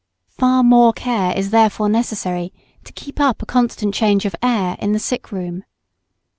Far more care is therefore necessary to keep up a constant change of air in the sick room.